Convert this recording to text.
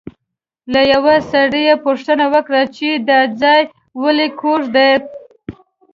له یوه سړي یې پوښتنه وکړه چې دا ځای ولې کوږ دی.